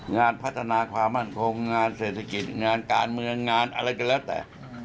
งานพัฒนาความมั่นคงงานเศรษฐกิจงานการเมืองงานอะไรก็แล้วแต่